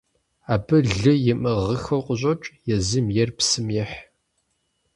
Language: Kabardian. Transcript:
Абы лы имыӀыгъыххэу къыщӀокӀ, езым ейр псым ехь.